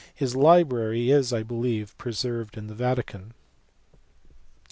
His library is I believe pre served in the Vatican.